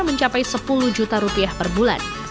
mencapai sepuluh juta rupiah per bulan